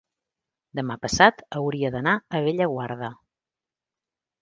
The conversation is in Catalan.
demà passat hauria d'anar a Bellaguarda.